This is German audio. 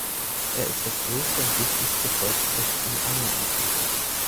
Er ist das größte und wichtigste Volksfest in Angeln.